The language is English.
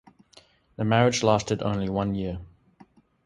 The marriage lasted only one year.